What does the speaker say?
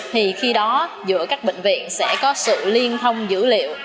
thì khi đó giữa các bệnh viện sẽ có sự liên thông dữ liệu